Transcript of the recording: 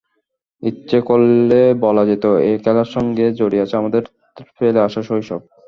ইচ্ছা করলে বলা যেত—এই খেলার সঙ্গে জড়িয়ে আছে আমাদের ফেলে আসা শৈশব।